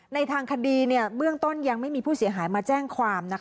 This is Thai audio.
ในทางคดีเบื้องต้นยังไม่มีผู้เสียหายมาแจ้งความ